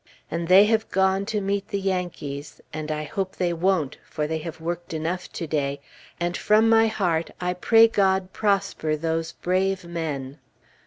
And they have gone to meet the Yankees, and I hope they won't, for they have worked enough to day, and from my heart I pray God prosper those brave men!